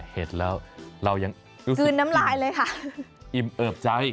เห็นแล้วเรายังรู้สึกอิ่มเอิบใจ